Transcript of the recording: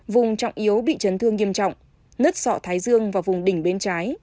vùng trọng yếu bị chấn thương nghiêm trọng nứt sọ thái dương và vùng đỉnh bên trái